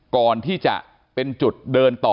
ก่อนที่จะเป็นจุดเดินต่อ